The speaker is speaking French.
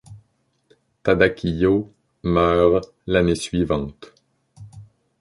Tadakiyo meurt l'année suivante.